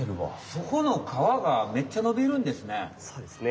そこのかわがめっちゃのびるんですね？